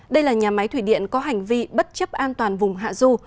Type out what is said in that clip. đây là nhà máy thủy điện có hành vi bất chấp an toàn vùng hạ du